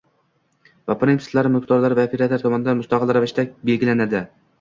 va prinsiplari mulkdor va operator tomonidan mustaqil ravishda belgilanadi.